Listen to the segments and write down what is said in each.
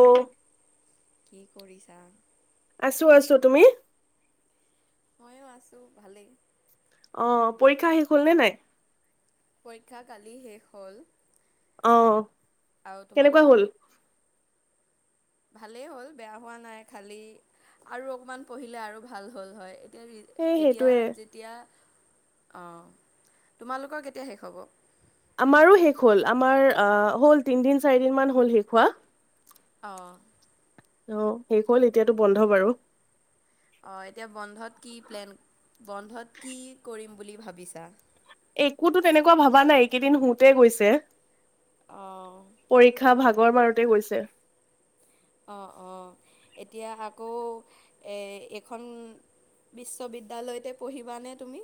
অঁ কি কৰিছা? আছো আছো তুমি? মইয়ো আছোঁ ভালেই। অ পৰীক্ষা শেষ হ'ল নে নাই? পৰীক্ষা কালি শেষ হ'ল। অঁ। আৰু তোমালোকৰ? ভালেই হ'ল, বেয়া হোৱা নাই খালী আৰু অকণমান পঢ়িলে আৰু ভাল হ'ল হয়। এতিয়া এই এতিয়া, সেইটোৱে যেতিয়া অঁ, তোমালোকৰ কেতিয়া শেষ হ'ব? আমাৰো শেষ হ'ল। আমাৰ হ'ল তিনদিন- চাৰিদিন মান হ'ল শেষ হোৱা। অঁ। অ, শেষ হ'ল, এতিয়াতো বন্ধ বাৰু। অঁ, এতিয়া বন্ধত কি প্লেন, বন্ধত কি কৰিম বুলি ভাবিছা? একোতো তেনেকুৱা ভবা নাই এইকেইদিন শোওঁতে গৈছে। অঁ। পৰীক্ষা ভাগৰ মাৰোতে গৈছে। অঁ, অঁ, এতিয়া আকৌ এইখন বিশ্ববিদ্যালয়তে পঢ়িবানে তুমি?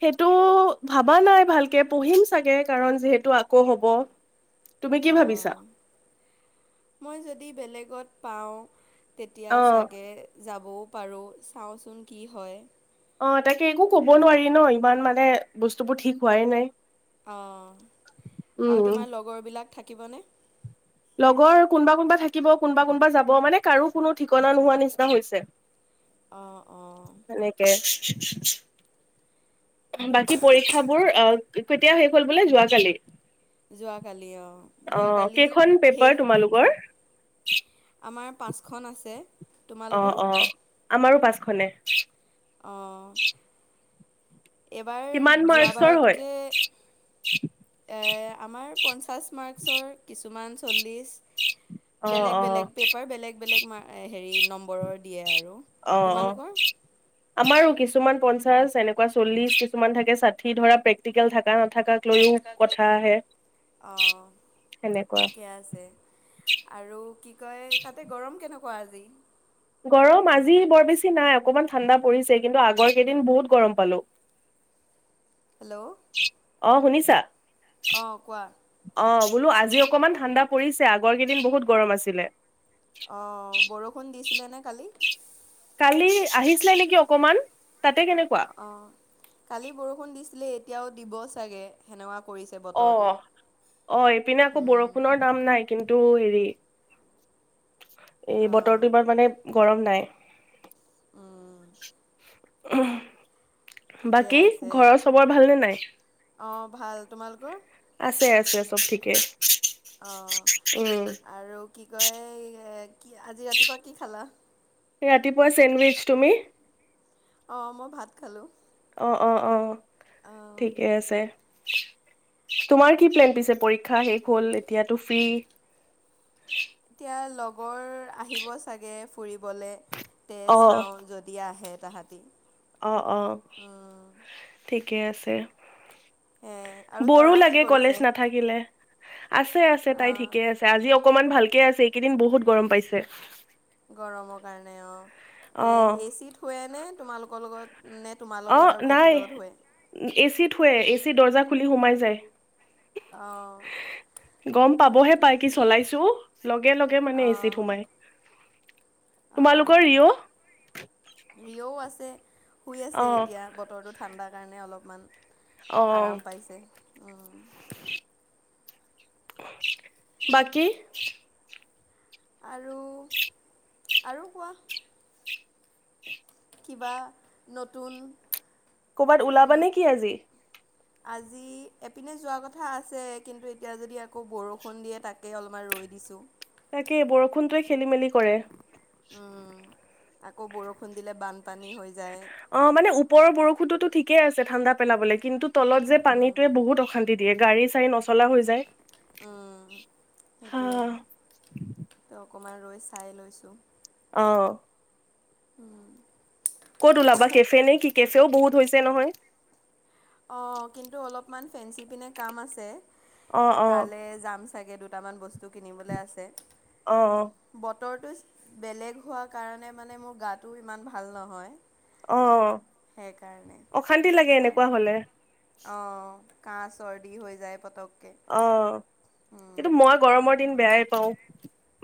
সেইটো ভাবা নাই ভালকে। পঢ়িম চাগে কাৰণ যিহেতু আকৌ হ'ব। তুমি কি অ, ভাবিছা মই যদি বেলেগত পাওঁ। তেতিয়া অ' চাগে যাবও পাৰোঁ। চাওঁচোন কি হয়। অ, তাকে একো ক'ব নোৱাৰি ন, ইমান মানে বস্তুবোৰ ঠিক হোৱাই নাই। অঁ, আৰু উম তোমাৰ লগৰবিলাক থাকিবনে? লগৰ কোনোবা- কোনোবা থাকিব, কোনোবা- কোনোবা যাব, মানে কাৰো কোনো ঠিকনা নোহোৱা নিচিনা হৈছে। [inaudible] অঁ, অঁ। এনেকে বাকী পৰীক্ষাবোৰ আহ, কেতিয়া শেষ হ'ল বোলে, যোৱাকালি? যোৱাকালি অঁ, অ যোৱাকালি কেইখন পেপাৰ শেষ তোমালোকৰ পৰীক্ষা। আমাৰ পাঁচখন আছে। অ, তোমালোকৰ অ আমাৰো পাঁচখনে। অঁ, কিমান এইবাৰ মাৰ্কচৰ হয় যোৱাবাৰতকৈ [inaudible] আমাৰ পঞ্চাছ মাৰ্কছৰ, কিছুমান চল্লিছ। অ বেলেগ অ বেলেগ পেপাৰ বেলেগ বেলেগ, হেৰি নম্বাৰৰ। দিয়ে আৰু। অ অ তোমালোকৰ? আমাৰো কিছুমান পঞ্চাশ, এনেকুৱা চল্লিশ, কিছুমান থাকে ষাঠি, ধৰা প্ৰেক্টিকেল থাকে। থকা নাথাকাক লৈও কথা আহে। অঁ, সেনেকুৱা ঠিকে আছে। আৰু কি কয়, তাতে গৰম কেনেকুৱা আজি? গৰম আজি বৰ বেছি নাই, অকমান ঠাণ্ডা পৰিছে, কিন্তু আগৰ কেইদিন বহুত গৰম পালো। হেল্ল'। অ, শুনিছা? অ, কোৱা? অ, বোলো আজি অকমান ঠাণ্ডা পৰিছে। আগৰ কেইদিন বহুত গৰম আছিলে। অ, বৰষুণ দিছিলে নে কালি? কালি আহিছিলা নেকি অকমান, তাতে কেনেকুৱা? অঁ, কালি বৰষুণ দিছিলে, এতিয়াও দিব চাগে। সেনেকুৱা কৰিছে অ বতৰটো। অ, এইপিনে আকৌ উম। বৰষুণৰ নাম নাই, কিন্তু হেৰি এই অ', বতৰটো ইমান মানে গৰম নাই। উম, ঠিকে বাকী, ঘৰৰ চবৰে ভালনে নাই? অঁ, ভাল। তোমালোকৰ? আছে, আছে, চব ঠিকেই। অঁ, আৰু কি কয়, কি আজি ৰাতিপুৱা কি খালা? ৰাতিপুৱা চেণ্ডউইচ। তুমি? অঁ, মই ভাত খালোঁ। অ, অ, অ, অ'। ঠিকে আছে। তোমাৰ কি প্লেন পিছে, পৰীক্ষা শেষ হ'ল এতিয়াতো ফ্ৰী! এতিয়া লগৰ আহিব চাগে, ফুৰিবলৈ। তে অ চাওঁ য দি আহে তাহতি। অ, অ, ঠিকেই আছে। এ আৰু বৰো তৰা কি লাগে, কলেজ কৰিছে? নাথা কিলে। আছে, আছে, তাই অ' ঠিকে আছে। আজি অকমান ভালকে আছে, এইকেইদিন বহুত গৰম পাইছে। গৰমৰ কাৰণে অঁ। এই অ' এ চিত শোৱে নে তোমালোকৰ লগত, নে তোমা অ, নাই এ চিত শুৱে, এ চি দৰ্জা খুলি সোমাই যায়। অ। গম পাবহে পাই কি ঠিকে আছে। চলাইছো! লগে-লগে মানে এ চিত অ' সোমাই। [inaudible] অ, তোমালোকৰ ৰিঅ' লিঅ'ও আছে, শুই আছে অ' এতিয়া। বতৰটো ঠাণ্ডা কাৰণে অলপমান অ' আৰাম পাইছে। উম। বাকী! আৰু, আৰু কোৱা? কিবা নতুন! ক'ৰবাত ওলাবা ন- নেকি আজি! আজি এপিনে যোৱা কথা আছে, কিন্তু এতিয়া যদি আকৌ বৰষুণ দিয়ে, তাক তাকেই অলপমান ৰৈ দিছোঁ। তাকে, বৰষুণটোৱে খেলি-মেলি কৰে। উম, আকৌ বৰষুণ দিলে বানপানী হৈ যায়। অ, মানে ওপৰৰ বৰষুণতো ঠিকেই আছে ঠাণ্ডা পেলাবলে, কিন্তু তলত যে পানীটোৱে বহুত অশান্তি দিয়ে, গাড়ী-চাড়ী নচলা হৈ যায়। উম, হা সেইটোৱে, অকণমান ৰৈ চাই লৈছোঁ। অঁ। উম। ক'ত ওলাবা, কেফে নে কি! কেফেও বহুত হৈছে নহয়! অঁ, কিন্তু অলপমান ফেঞ্চি পিনে কাম আছে, অ', অ', তালৈ যাম চাগে, দুটামান বস্তু কিনিবলৈ আছে। অ', বতৰটো বেলেগ হোৱাৰ কাৰণে মানে মোৰ গাটো ইমান ভাল নহয়। অঁ, সেইকাৰণে অশান্তি লাগে, এনেকুৱা হ'লে। অ, কাঁহ, চৰ্দি হৈ যায় পতকে। অ, কিন্তু মই গৰমৰ দিন বেয়াই পাওঁ।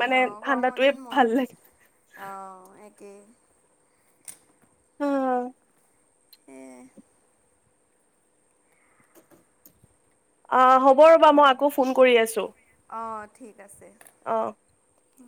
মানে ঠাণ্ডাটোয়ে ভাল লাগে। অ, একে। উম। উম। অ, হ'ব ৰ'বা, মই আকৌ ফোন কৰি আছোঁ। অঁ ঠিক আছে। অ। ওম